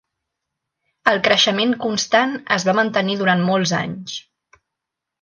El creixement constant es va mantenir durant molts anys.